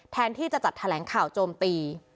แทนที่จะจัดแถลงข่าวโจมตี